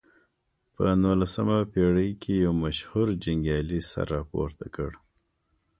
په نولسمه پېړۍ کې یو مشهور جنګیالي سر راپورته کړ.